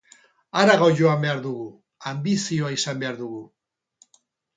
Harago joan behar dugu, anbizioa izan behar dugu.